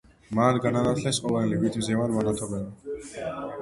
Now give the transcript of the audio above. მან განანათლნეს ყოველნი, ვით მზემან მანათობელმან.